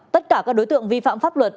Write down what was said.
tất cả các đối tượng vi phạm pháp luật